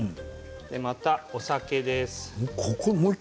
またお酒です。